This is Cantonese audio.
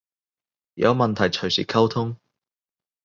有問題隨時溝通